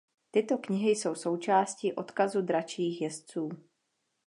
Tyto knihy jsou součástí Odkazu Dračích jezdců.